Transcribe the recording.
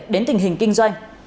đến tình hình kinh doanh